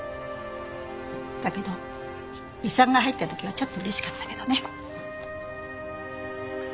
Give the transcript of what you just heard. だけど遺産が入った時はちょっと嬉しかったけどね。